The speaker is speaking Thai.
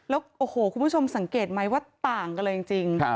แล้วโอ้โหคุณผู้ชมสังเกตไหมว่าต่างกันเลยจริง